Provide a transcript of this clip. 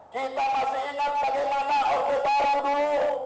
kita masih ingat bagaimana orde tarung dulu